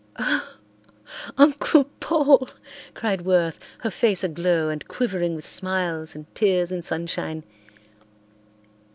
"Oh, Uncle Paul," cried Worth, her face aglow and quivering with smiles and tears and sunshine.